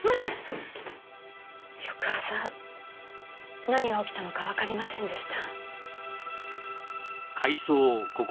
翌朝何が起きたのかわかりませんでした。